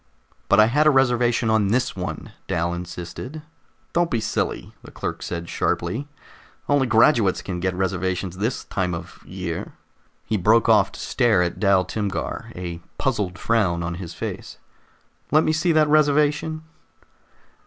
"But I had a reservation on this one," Dal insisted. "Don't be silly," the clerk said sharply. "Only graduates can get reservations this time of year " He broke off to stare at Dal Timgar, a puzzled frown on his face. "Let me see that reservation."